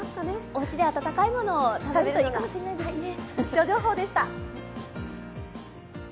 おうちで温かいものを食べるといいかもしれないですね。